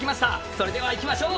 それではいきましょう。